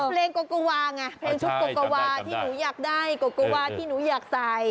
โกโกวาไงเพลงชุบโกโกวาที่หนูอยากได้โกโกวาที่หนูอยากใส่